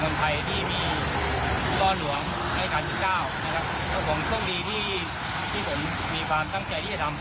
และก็ความดีที่พ่อมีให้พ่อ